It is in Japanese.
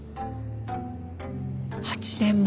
８年前。